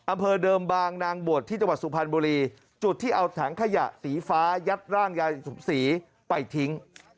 อำเภอเดิมบางนางบวชที่จังหวัดสุพรรณบุรีจุดที่เอาถังขยะสีฟ้ายัดร่างยายสมศรีไปทิ้ง